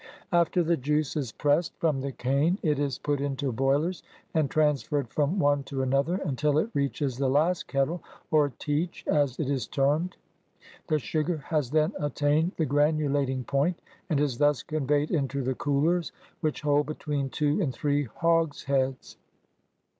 After the juice is pressed from the cane, it is put into boilers, and transferred from one to another, until it reaches the last kettle, or teach, as it is termed. The sugar has then attained the granulat ing point, and is thus conveyed into the coolers, which hold between two and three hogsheads.